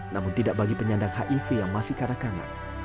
namun tidak bagi penyandang hiv yang masih kanak kanak